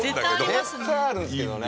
絶対あるんですけどね。